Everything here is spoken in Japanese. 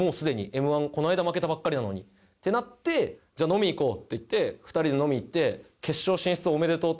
Ｍ−１この間負けたばっかりなのにってなって「じゃあ飲み行こう」って言って２人で飲み行って。